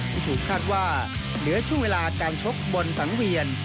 ที่ถูกคาดว่าเหลือช่วงเวลาการชกบนสังเวียน